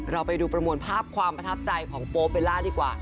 เราไปดูประมวลภาพความประทับใจของโป๊เบลล่าดีกว่า